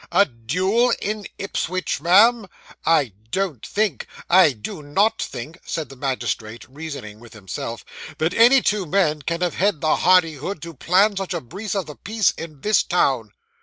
A duel in Ipswich, ma'am? I don't think I do not think,' said the magistrate, reasoning with himself, 'that any two men can have had the hardihood to plan such a breach of the peace, in this town.